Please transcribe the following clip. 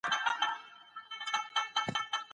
ابن خلدون څوک و؟